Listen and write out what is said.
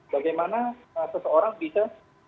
bagaimana seseorang bisa